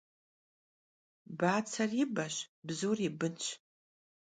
Batser yi beş, bzur yi bınş.